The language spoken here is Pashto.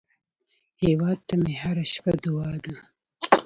هیواد ته مې هره شپه دعا ده